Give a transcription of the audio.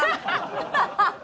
ハハハハ！